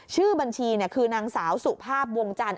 ชื่อบัญชีคือนางสาวสุภาพวงจันท